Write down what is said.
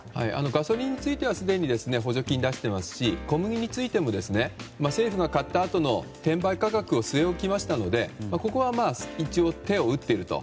ガソリンについてはすでに補助金を出していますし小麦についても政府が買ったあとの転売価格を据え置きましたので、ここは一応手を打っていると。